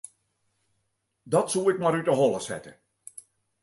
Dat soe ik mar út 'e holle sette.